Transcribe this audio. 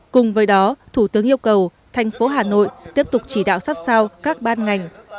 cùng với đó thủ tướng yêu cầu thành phố hà nội tiếp tục chỉ đạo sát sao các ban ngành